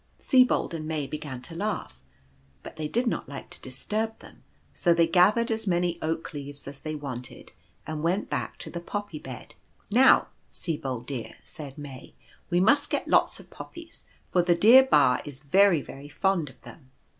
Sibold and May began to laugh, but they did not like to disturb them, so they gathered as many oak leaves as they wanted, and went back to the Poppy bed. " Now, Sibold, dear," said May, " we must get lots of Poppies, for the dear Ba is very very fond of them."